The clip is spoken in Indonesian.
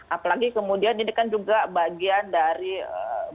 apalagi kemudian ini kan juga bagian dari proses